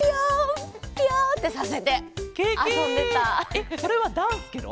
えっそれはダンスケロ？